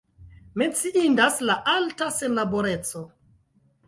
Menciindas la alta senlaboreco.